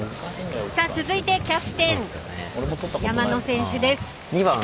続いてキャプテンの山野選手です。